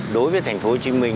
đối với thành phố hồ chí minh